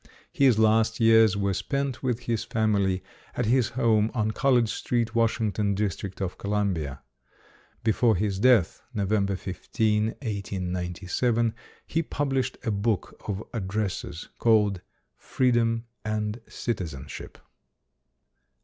His last years were spent with his family at his home on College Street, Washington, District of Columbia. Before his death, November 15, 1897, he published a book of addresses called "Freedom and Citizenship".